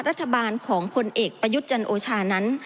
รัฐบาลของคนเอกประยุทธ์จันโอชานั้น